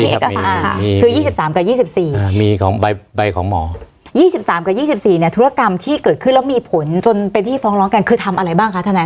มีเอกสารค่ะคือ๒๓กับ๒๔มีของใบของหมอ๒๓กับ๒๔เนี่ยธุรกรรมที่เกิดขึ้นแล้วมีผลจนเป็นที่ฟ้องร้องกันคือทำอะไรบ้างคะธนาย